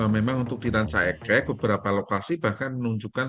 memang untuk di rancaikek beberapa lokasi bahkan menunjukkan